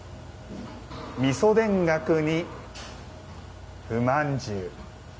みそ田楽に、麩まんじゅう。